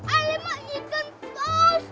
alamak ikan paus